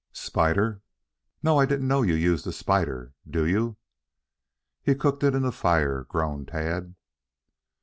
"Spider? No. I didn't know you used a spider. Do you?" "He cooked it in the fire," groaned Tad.